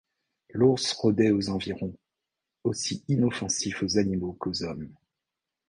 L’ours rôdait aux environs, aussi inoffensif aux animaux qu’aux hommes.